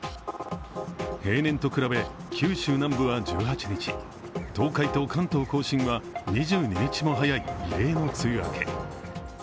平年と比べ、九州南部は１８日東海と関東甲信は２２日も早い異例の梅雨明け。